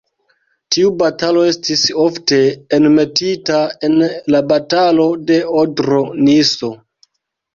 Tiu batalo estis ofte enmetita en la Batalo de Odro-Niso.